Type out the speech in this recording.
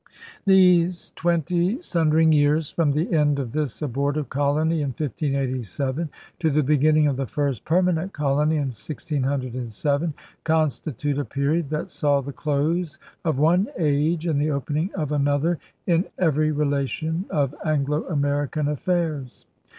These twenty sundering years, from the end of this abortive colony in 1587 to the beginning of the first permanent colony in 1607, constitute a period that saw the close of one age and the opening of another in every relation of Anglo American affairs.